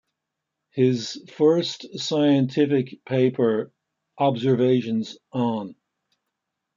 His first scientific paper, Observations on.